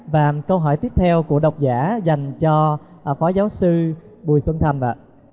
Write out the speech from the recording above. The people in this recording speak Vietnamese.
và câu hỏi tiếp theo của độc giả dành cho phó giáo sư bùi xuân thành ạ